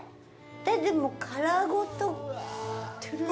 でも殻ごと。